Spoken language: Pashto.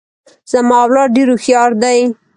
زما اولاد ډیر هوښیار دي.